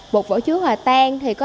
bột vỏ chứa hòa tan thì có